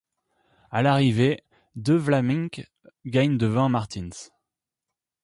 À l'arrivée, De Vlaeminck gagne devant Maertens.